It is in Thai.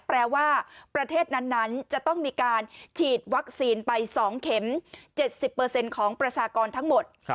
แปลว่าประเทศนั้นจะต้องมีการฉีดวัคซีนไป๒เข็ม๗๐ของประชากรทั้งหมด